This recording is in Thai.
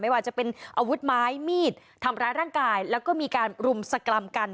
ว่าจะเป็นอาวุธไม้มีดทำร้ายร่างกายแล้วก็มีการรุมสกรรมกัน